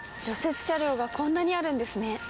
雪車両がこんなにあるんですね。